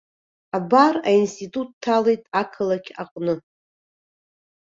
Абар, аинститут дҭалеит ақалақь аҟны.